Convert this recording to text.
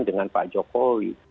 dengan pak jokowi